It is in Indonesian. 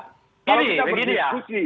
kalau kita berdiskusi